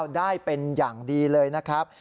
ได้เป็นอย่างดีเลยนะครับ